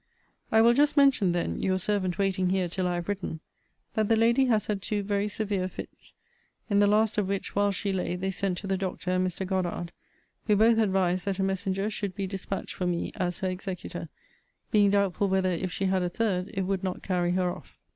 I will just mention then (your servant waiting here till I have written) that the lady has had two very severe fits: in the last of which whilst she lay, they sent to the doctor and Mr. Goddard, who both advised that a messenger should be dispatched for me, as her executor; being doubtful whether, if she had a third, it would not carry her off.